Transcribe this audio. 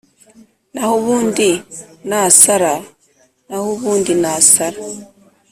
naho ubundi nasara, naho ubundi nasara,